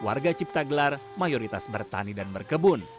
warga cipta gelar mayoritas bertani dan berkebun